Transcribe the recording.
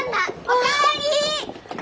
お帰り！